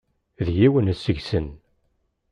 D yiwen seg-sen.